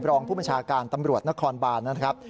รองผู้บัญชาการตำรวจนครบานนะครับ